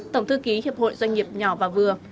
tổng thư ký hiệp hội doanh nghiệp nhỏ và vừa